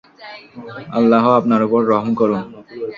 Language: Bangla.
আল্লাহ আপনার উপর রহম করুন।